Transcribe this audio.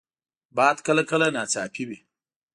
باد کله کله ناڅاپي وي